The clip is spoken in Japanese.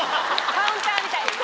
カウンターみたいに？